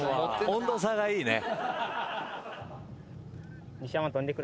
温度差がいいね。